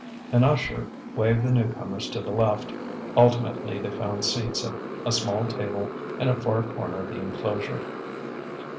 An usher waved the newcomers to the left. Ultimately they found seats at a small table in a far corner of the enclosure.